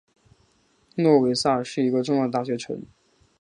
诺维萨是一个重要的大学城。